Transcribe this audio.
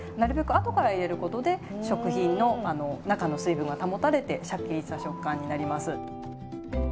あとから入れることで食品の中の水分が保たれてしゃっきりした食感になります。